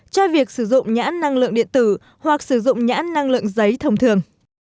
cho việc sử dụng nhãn năng lượng điện tử hoặc sử dụng nhãn năng lượng giấy thông thường